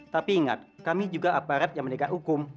tapi ingat kami juga aparat yang menegak hukum